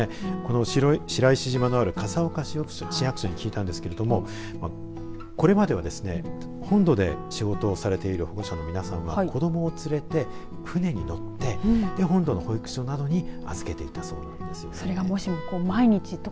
白石島のある笠岡市役所に聞きましたが、これまでは本土で仕事をされている保護者の皆さんは子どもを連れて船に乗って本土の保育所などに預けていたそうなんです。